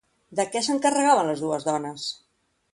De què s'encarregaven les dues dones?